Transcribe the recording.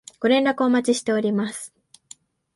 ご連絡お待ちしております